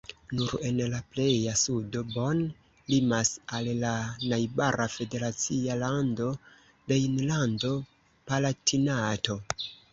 Nur en la pleja sudo Bonn limas al la najbara federacia lando Rejnlando-Palatinato.